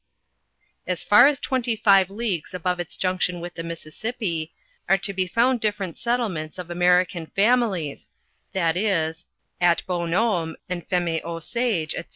As far as twenty five leagues above its jurction with tbe Mississippi, are to be found different settlements of Ameri can families, viz: at Bonhoinme, and Feme Cfeage, &c.